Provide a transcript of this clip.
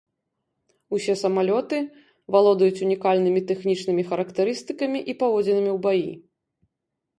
Усе самалёты валодаюць унікальнымі тэхнічнымі характарыстыкамі і паводзінамі ў баі.